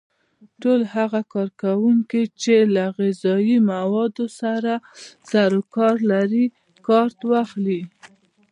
ټول هغه کارکوونکي چې له غذایي موادو سره سرو کار لري کارت واخلي.